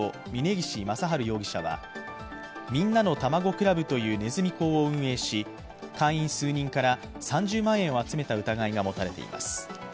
峯岸正治容疑者は、みんなのたまご倶楽部というねずみ講を運営し会員数人から３０万円を集めた疑いが持たれています。